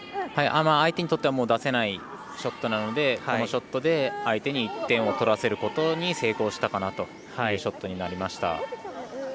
相手にとっては出せないショットなのでこのショットで相手に１点を取らせることに成功したかなというショットになりました。